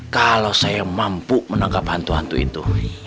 kalau saya mampu menangkap hantu hantu itu